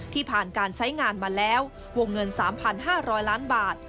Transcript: ผ่านการใช้งานมาแล้ววงเงิน๓๕๐๐ล้านบาท